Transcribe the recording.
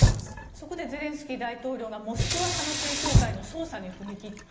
そこでゼレンスキー大統領がモスクワ派の正教会の捜査に踏み切った。